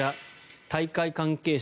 大会関係者